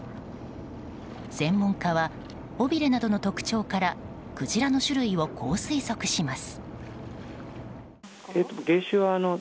専門家は尾びれなどの特徴からクジラの種類をこう推測します。